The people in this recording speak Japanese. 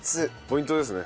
ポイントですね。